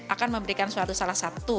akan memberikan salah satu